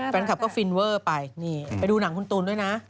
แฟนคลับก็ฟินเวอร์ไปนี่ไปดูหนังคุณตูนด้วยนะ